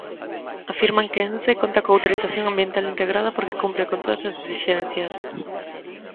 Afirman que Ence conta coa autorización ambiental integrada porque cumpre con todas as esixencias.